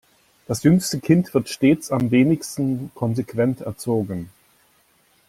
Das jüngste Kind wird stets am wenigsten konsequent erzogen.